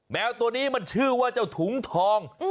แมวตัวนี้มันชื่อว่าเจ้าถุงทอง